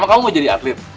emang kamu mau jadi atlet